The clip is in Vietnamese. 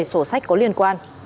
sổ sách có liên quan